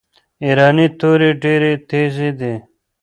ایرانۍ توري ډیري تیزي دي.